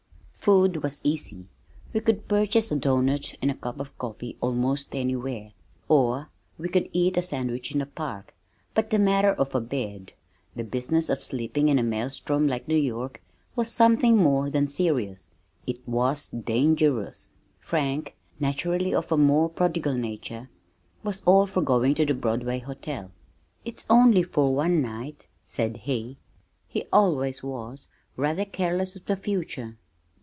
Food was easy. We could purchase a doughnut and a cup of coffee almost anywhere, or we could eat a sandwich in the park, but the matter of a bed, the business of sleeping in a maelstrom like New York was something more than serious it was dangerous. Frank, naturally of a more prodigal nature, was all for going to the Broadway Hotel. "It's only for one night," said he. He always was rather careless of the future!